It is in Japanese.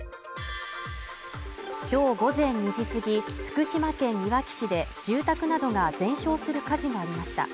今日午前２時すぎ、福島県いわき市で住宅などが全焼する火事がありました。